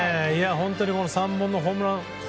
本当に３本のホームラン。